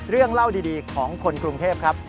เรื่องเล่าดีของคนกรุงเทพครับ